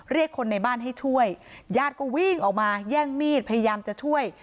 เรียกคนในบ้านให้ช่วยญาติก็วิ่งออกมาแย่งมีดพยายามจะช่วย